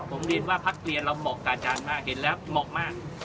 ผมเรียนว่าพักเรียนเราเหมาะกับอาจารย์มากเห็นแล้วเหมาะมาก